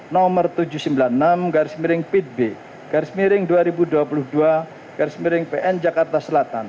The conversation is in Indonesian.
nomor tujuh ratus sembilan puluh enam pit b garis miring dua ribu dua puluh dua garis miring pn jakarta selatan